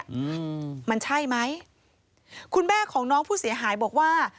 เองแบบเนี้ยอืมมันใช่ไหมคุณแม่ของน้องผู้เสียหายบอกว่า